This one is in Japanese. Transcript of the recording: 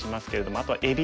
あとはえびとか。